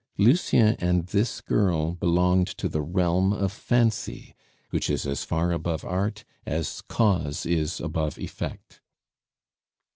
Lucien and this girl belonged to the realm of fancy, which is as far above art as cause is above effect.